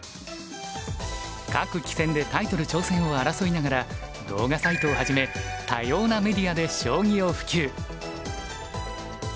各棋戦でタイトル挑戦を争いながら動画サイトをはじめ多様なメディアで将棋を普及。